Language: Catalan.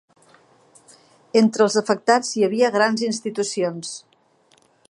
Entre els afectats hi havia grans institucions.